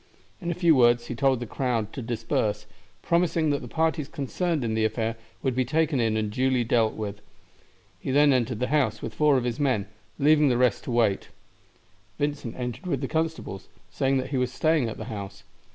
In a few words he told the crowd to disperse, promising that the parties concerned in the affair would be taken in and duly deal with. He then entered the house with four of his men, leaving the rest to wait. Vincent entered with the constables, saying that he was staying at the house.